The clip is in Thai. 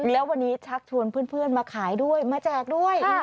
แล้ววันนี้ชักชวนเพื่อนมาขายด้วยมาแจกด้วย